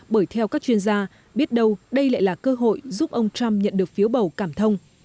bởi theo các chuyên gia biết đâu đây lại là cơ hội giúp ông trump nhận được phiếu bầu cảm thông